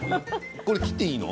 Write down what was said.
これは切っていいの？